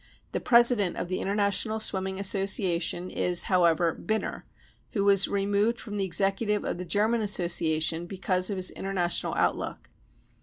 The president of the International Swimming Association is, however, Binner, who was 'removed from the Executive of the German Association because of his international outlook.